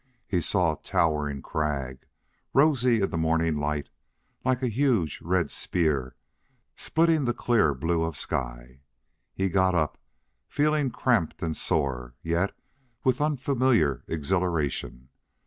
He saw a towering crag, rosy in the morning light, like a huge red spear splitting the clear blue of sky. He got up, feeling cramped and sore, yet with unfamiliar exhilaration.